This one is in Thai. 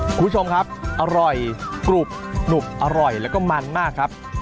คุณผู้ชมครับอร่อยกรุบหนุบอร่อยแล้วก็มันมากครับ